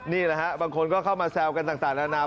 นี่แหละครับบางคนก็เข้ามาแซวกันต่างแล้ว